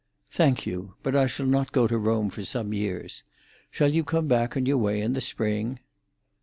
"Thank you. But I shall not go to Rome for some years. Shall you come back on your way in the spring?"